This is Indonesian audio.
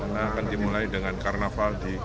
karena akan dimulai dengan karnaval di nusa dua